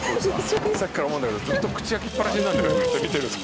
さっきから思うんだけどずっと口開きっぱなしになるんだよね見てると。